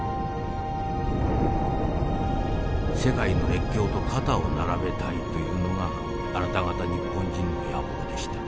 世界の列強と肩を並べたいというのがあなた方日本人の野望でした。